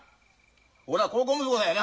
俺は孝行息子だよな？